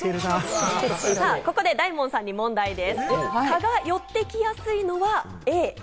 ここで大門さんに問題です。